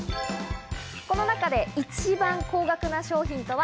この中で一番高額な商品とは？